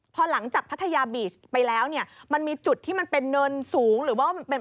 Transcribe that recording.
พอหลังจากพัทยาบีชไปแล้วเนี่ยมันมีจุดที่มันเป็นเนินสูงหรือว่ามันเป็น